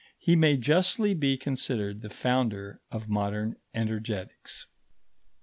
He may justly be considered the founder of modern energetics.